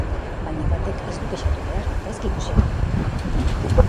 Baina batek ez du kexatu behar, gaizki ikusia dago.